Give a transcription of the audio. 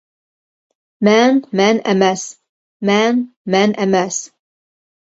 «مەن مەن ئەمەس» مەن مەن ئەمەس.